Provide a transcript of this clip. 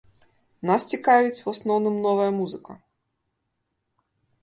Нас цікавіць, у асноўным, новая музыка.